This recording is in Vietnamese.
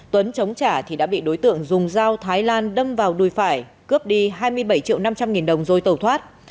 tuấn chống trả thì đã bị đối tượng dùng dao thái lan đâm vào đuôi phải cướp đi hai mươi bảy triệu năm trăm linh nghìn đồng rồi tẩu thoát